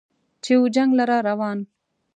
چې و جنګ لره روان و